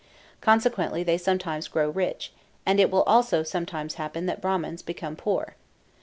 Consequently they sometimes grow rich, and it will also sometimes happen that Brahmans become poor.